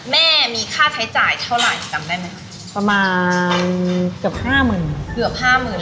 แม่มีค่าใช้จ่ายเท่าไหร่จำได้ไหมคะประมาณเกือบห้าหมื่นเกือบห้าหมื่น